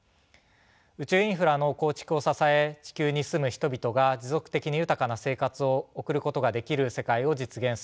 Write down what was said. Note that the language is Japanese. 宇宙インフラの構築を支え地球に住む人々が持続的に豊かな生活を送ることができる世界を実現する。